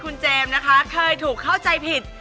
คุณเจมส์นะคะเคยถูกเข้าใจผิด